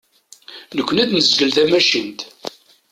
Nekni ad nezgel tamacint.